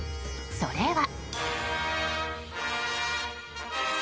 それは。